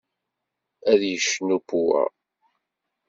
Ad yecnu Pua.